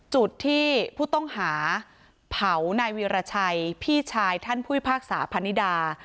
จุดที่ผู้ต้องหาเผานายวีรชัยพี่ชายท่านผู้พิพากษาพนิดา